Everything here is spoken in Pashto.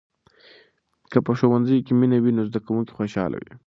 که په ښوونځي کې مینه وي، نو زده کوونکي خوشحال وي.